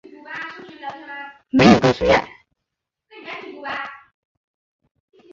说个笑话给你听